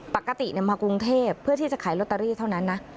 ปกติมากรุงเทพเพื่อที่จะขายลอตเตอรี่เท่านั้นนะ